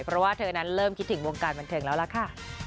เพราะว่าเธอนั้นเริ่มคิดถึงวงการบันเทิงแล้วล่ะค่ะ